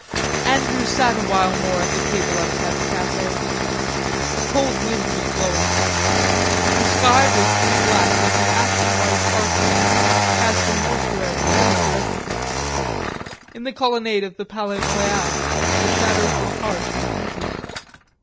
Andrews sat a while more at the table outside the cafe. A cold wind was blowing. The sky was blue black and the ashen white arc lamps cast a mortuary light over everything. In the Colonnade of the Palais Royal the shadows were harsh and inky.